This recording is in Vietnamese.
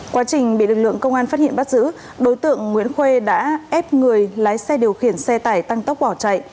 quá trình bị lực lượng công an phát hiện bắt giữ đối tượng nguyễn khuê đã ép người lái xe điều khiển xe tải tăng tốc bỏ chạy